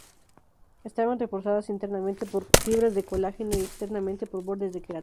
Estaban reforzadas internamente por fibras de colágeno y externamente por bordes de queratina.